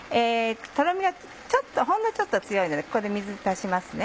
とろみがほんのちょっと強いのでここで水足しますね。